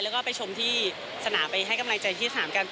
แล้วก็ไปชมที่สนามไปให้กำลังใจที่สนามกัน